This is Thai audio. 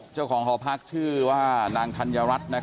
เจ้าของหอพักชื่อว่านางธัญรัฐ